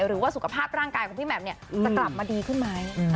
หรือว่าสุขภาพร่างกายของพี่แหม่มเนี่ยจะกลับมาดีขึ้นไหม